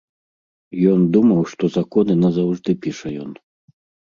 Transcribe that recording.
Ён думаў, што законы назаўжды піша ён.